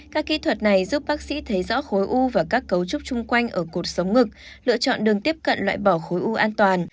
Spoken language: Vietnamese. các kỹ thuật này giúp bác sĩ thấy rõ khối u và các cấu trúc chung quanh ở cột sống ngực lựa chọn đường tiếp cận loại bỏ khối u an toàn